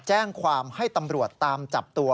แจ้งความให้ตำรวจตามจับตัว